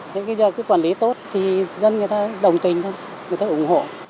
thế bây giờ cứ quản lý tốt thì dân người ta đồng tình thôi người ta cũng ủng hộ